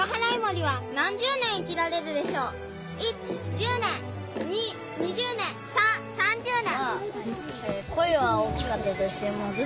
①１０年②２０年③３０年。